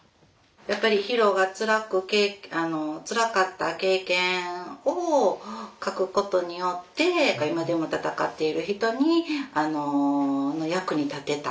やっぱりヒロがつらくつらかった経験を書くことによって今でも闘っている人にあのの役に立てた。